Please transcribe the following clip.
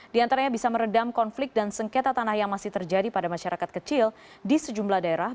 di antaranya bisa meredam konflik dan sengketa tanah yang masih terjadi pada masyarakat kecil di sejumlah daerah